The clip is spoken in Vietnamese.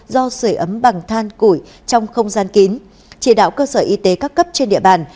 do sửa ấm bằng than củi trong không gian kín chỉ đạo cơ sở y tế các cấp trên địa bàn